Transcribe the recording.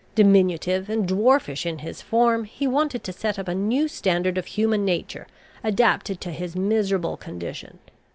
Diminutive and dwarfish in his form, he wanted to set up a new standard of human nature, adapted to his miserable condition.